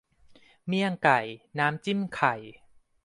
เมี่ยงไก่ น้ำจิ้มไข่